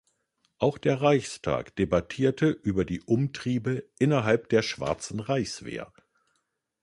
Auch der Reichstag debattierte über die Umtriebe innerhalb der Schwarzen Reichswehr.